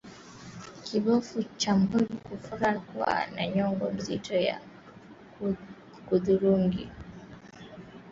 Kibofu cha mkojo kufura na kuwa na nyongo nzito ya hudhurungi au kahawia